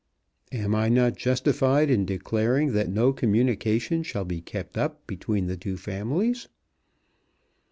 Am I not justified in declaring that no communication shall be kept up between the two families?